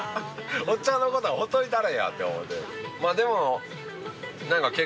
おっちゃんのことはほっといたれやって思って。